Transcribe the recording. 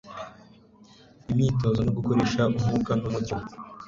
Imyitozo no gukoresha umwuka numucyo